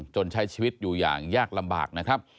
ใช้ชีวิตอยู่อย่างยากลำบากนะครับ